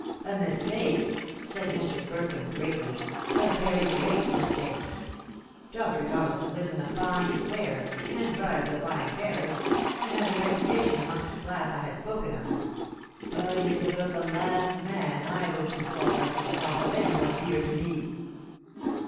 "A mistake!" said Mr. Burkham, gravely; "a very great mistake! Dr. Doddleson lives in a fine square, and drives a fine carriage, and has a reputation amongst the class I have spoken of; but he is about the last man I would consult as to the health of any one dear to me."